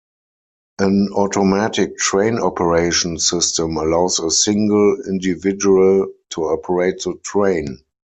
An automatic train operation system allows a single individual to operate the train.